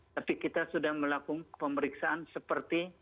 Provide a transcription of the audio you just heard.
tapi kita sudah melakukan pemeriksaan seperti